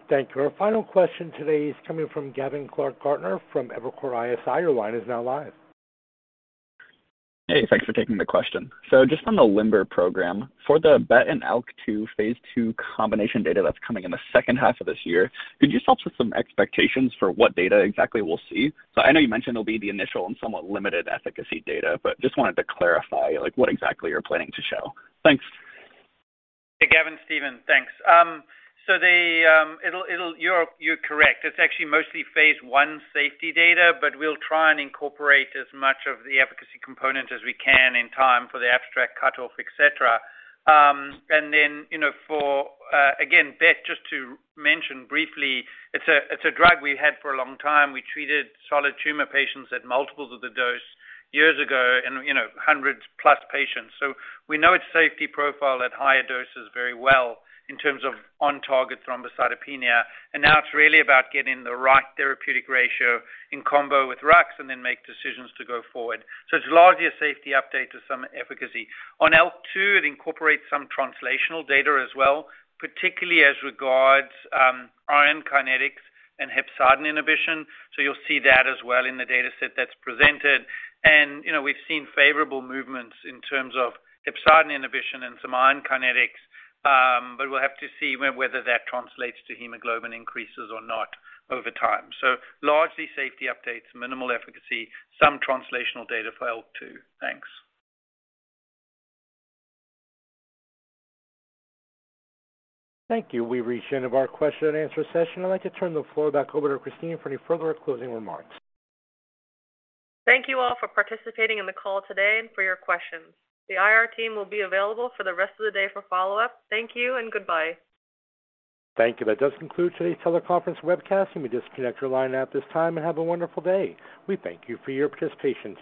Thank you. Our final question today is coming from Gavin Clark-Gartner from Evercore ISI. Your line is now live. Hey, thanks for taking the question. Just on the LIMBER program, for the BET and ALK2 phase II combination data that's coming in the second half of this year, could you start with some expectations for what data exactly we'll see? I know you mentioned it'll be the initial and somewhat limited efficacy data, but just wanted to clarify, like, what exactly you're planning to show. Thanks. Hey, Gavin, Steven. Thanks. It'll. You're correct. It's actually mostly phase I safety data, but we'll try and incorporate as much of the efficacy component as we can in time for the abstract cutoff, et cetera. You know, for again, BET, just to mention briefly, it's a drug we had for a long time. We treated solid tumor patients at multiples of the dose years ago and, you know, hundreds-plus patients. So, we know its safety profile at higher doses very well in terms of on-target thrombocytopenia, and now it's really about getting the right therapeutic ratio in combo with Rux and then make decisions to go forward. So, it's largely a safety update to some efficacy. On ALK2, it incorporates some translational data as well, particularly as regards iron kinetics and hepcidin inhibition. You'll see that as well in the dataset that's presented. You know, we've seen favorable movements in terms of hepcidin inhibition and some iron kinetics, but we'll have to see whether that translates to hemoglobin increases or not over time. Largely safety updates, minimal efficacy, some translational data for ALK2. Thanks. Thank you. We've reached the end of our question-and-answer session. I'd like to turn the floor back over to Christina for any further closing remarks. Thank you all for participating in the call today and for your questions. The IR team will be available for the rest of the day for follow-up. Thank you and goodbye. Thank you. That does conclude today's teleconference webcast. You may disconnect your line at this time and have a wonderful day. We thank you for your participation.